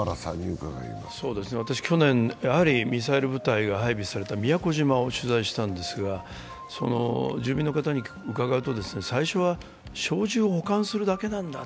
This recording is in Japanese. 去年ミサイル部隊が配備された宮古島を取材したんですが住民の方に伺うと、最初は銃を保管するだけで。